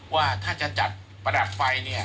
ว่าถ้าจะจัดประดับไฟ